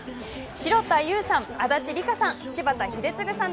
城田優さん、足立梨花さん